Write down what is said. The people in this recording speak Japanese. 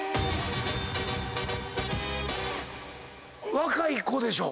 若い子でしょ？